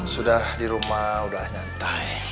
sudah di rumah sudah nyantai